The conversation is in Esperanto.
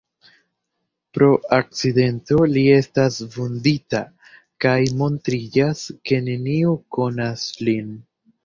Pro akcidento li estas vundita, kaj montriĝas, ke neniu konas lin.